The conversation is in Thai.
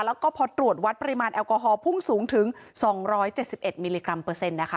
แล้วก็พอตรวจวัดปริมาณแอลกอฮอลพุ่งสูงถึง๒๗๑มิลลิกรัมเปอร์เซ็นต์นะคะ